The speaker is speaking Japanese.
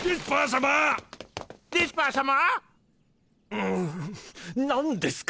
うーん何ですか！？